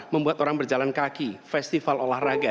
membuat orang berjalan kaki festival olahraga